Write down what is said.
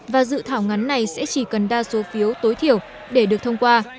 và dự thảo ngắn này sẽ chỉ cần đa số phiếu tối thiểu để được thông qua